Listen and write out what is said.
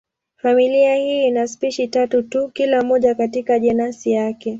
Familia hii ina spishi tatu tu, kila moja katika jenasi yake.